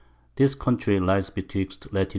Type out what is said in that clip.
This Country lies betwixt Lat.